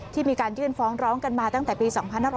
มีการยื่นฟ้องร้องกันมาตั้งแต่ปี๒๕๖๐